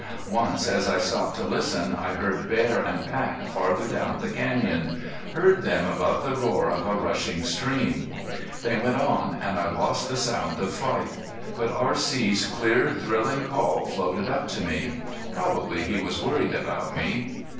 Once as I stopped to listen I heard bear and pack farther down the canyon heard them above the roar of a rushing stream. They went on and I lost the sounds of fight. But R.C.'s clear thrilling call floated up to me. Probably he was worried about me.